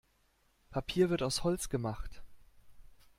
Papier wird aus Holz gemacht.